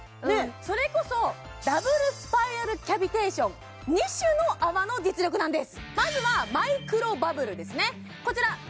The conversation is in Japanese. それこそダブルスパイラルキャビテーション２種の泡の実力なんです